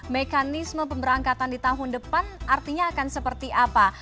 mekanisme pemberangkatan di tahun depan artinya akan seperti apa